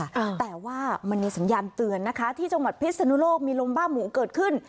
อ่าแต่ว่ามันมีสัญญาณเตือนนะคะที่จังหวัดพิศนุโลกมีลมบ้าหมูเกิดขึ้น